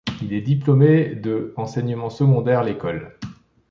Il est diplômé de enseignement secondaire l'école.